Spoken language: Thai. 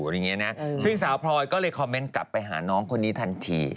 ซึ่งสาวพรอยก็เลยคอมเมนต์กลับไปหาน้องคนนี้ทันที